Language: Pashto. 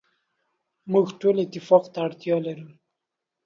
موږ ټول اتفاق ته اړتیا لرو.